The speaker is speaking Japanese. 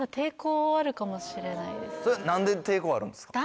何で抵抗あるんですか？